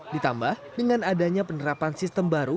ditambah dengan adanya penerapan sistem baru